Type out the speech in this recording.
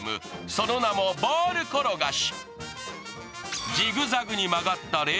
その名もボール転がし。